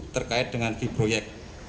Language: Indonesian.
terkait dengan fee proyek